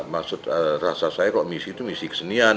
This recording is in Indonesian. maksud rasa saya kok misi itu misi kesenian